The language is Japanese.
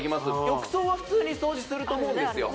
浴槽は普通に掃除すると思うんですよ